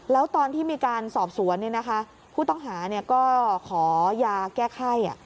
แล้วตอนที่มีการสอบสวนผู้ต้องหาก็ขอยาแก้ไข้